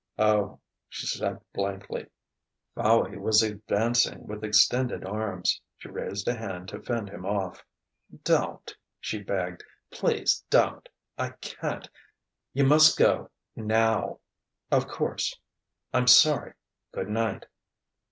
"Oh ..." she said blankly. Fowey was advancing, with extended arms. She raised a hand to fend him off. "Don't!" she begged. "Please don't. I can't.... You must go, now of course. I'm sorry. Good night."